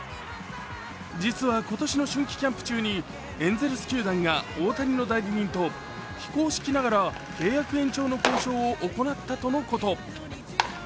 実は今年の春季キャンプ中にエンゼルス球団が大谷の代理人と非公式ながら契約延長の交渉を行ったとのこと。